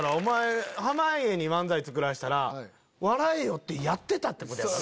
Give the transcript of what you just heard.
濱家に漫才作らせたら笑えよ！ってやってたってこと。